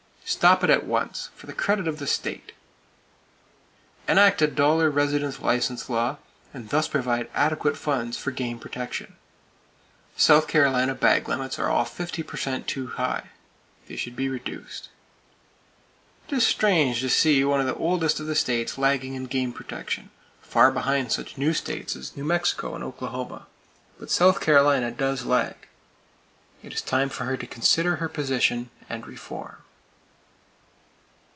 Stop it at once, for the credit of the state. Enact a dollar resident license law and thus provide adequate funds for game protection. South Carolina bag limits are all 50 per cent too high; and they should be reduced. It is strange to see one of the oldest of the states lagging in game protection, far behind such new states as New Mexico and Oklahoma; but South Carolina does lag. It is time for her to consider her position, and reform.